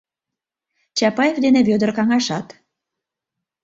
Чапаев дене Вӧдыр каҥашат.